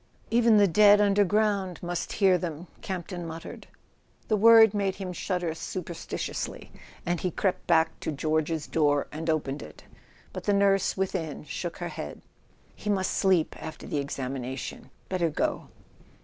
"Even the dead underground must hear them!" Campton muttered. The word made him shudder superstitiously, and he crept back to George's door and opened it; but the nurse, within, shook her head. [ 285 ] A SON AT THE FRONT "He must sleep after the examination. Better go."